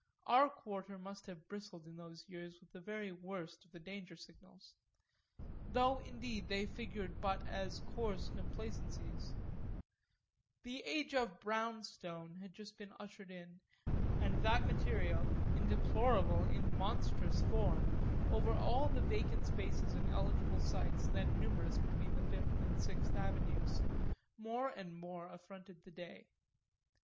Our quarter must have bristled in those years with the very worst of the danger signals though indeed they figured but as coarse complacencies; the age of "brown stone" had just been ushered in, and that material, in deplorable, in monstrous form, over all the vacant spaces and eligible sites then numerous between the Fifth and Sixth Avenues, more and more affronted the day.